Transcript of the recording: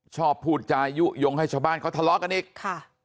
พูดจายุโยงให้ชาวบ้านเขาทะเลาะกันอีกค่ะ